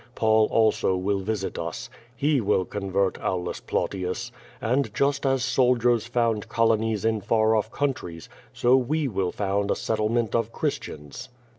Paul also will visit us. He will convert Aulus Plautius. And just as soldiers found colonies in far off countries, so we will found a setttlement of Christians."